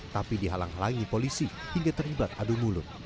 tapi dihalang halangi polisi hingga terlibat adu mulut